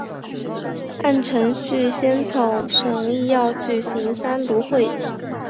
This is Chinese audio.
按程序宪草审议要举行三读会。